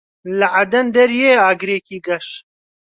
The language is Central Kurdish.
لە عەدەن دەریێ ئاگرێکی گەش